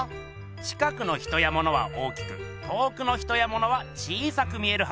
近くの人やものは大きく遠くの人やものは小さく見えるはずが。